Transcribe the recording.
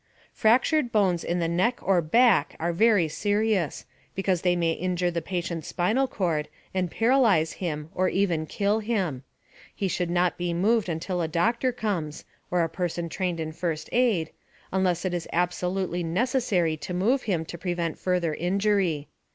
Fractured bones in the NECK OR BACK are very serious, because they may injure the patient's spinal cord and paralyze him or even kill him. He should not be moved until a doctor comes (or a person trained in first aid), unless it is absolutely necessary to move him to prevent further injury.